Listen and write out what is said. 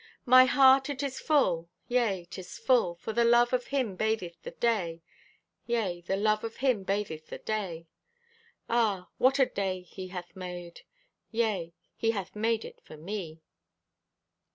My heart it is full, yea, 'tis full, For the love of Him batheth the day, Yea, the love of Him batheth the day. Ah, what a day He hath made, Yea, He hath made it for me!